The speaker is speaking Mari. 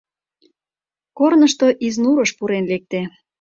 Корнышто Изнурыш пурен лекте.